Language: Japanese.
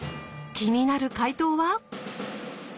気になる解答は！？